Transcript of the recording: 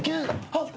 あっ。